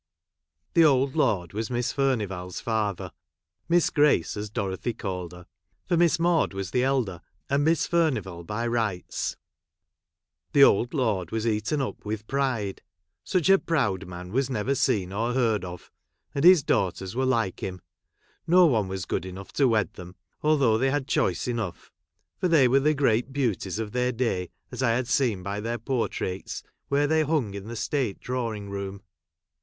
| The old lord was Miss Furnivall's father — j Miss Grace, as Dorothy called her, for Miss | Maude was the elder, and Miss Furnivall by | rights. The old lord was eaten up with pride, i Such a proud man was never seen or heard of ; and his daughters were^ like him. No ; one was good enough to wed them, although 1 they had choice enough ; for they were the 1 great beauties of their day, as 1 had seen by their portraits, where they hung in the state drawing room.